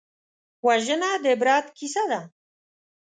وژنه د عبرت کیسه ده